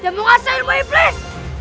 dia mengasah ilmu iblis